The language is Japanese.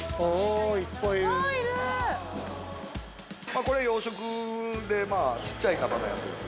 ◆これ養殖でちっちゃい形のやつです。